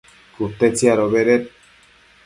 cute tsiadobeded